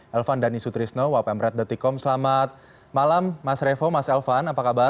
elvan dhani sutrisno wapemret com selamat malam mas revo mas elvan apa kabar